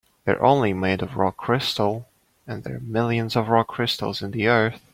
They're only made of rock crystal, and there are millions of rock crystals in the earth.